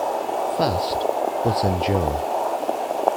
Fast, but endure.